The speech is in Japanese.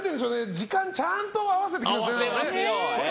時間ちゃんと合わせてきますね。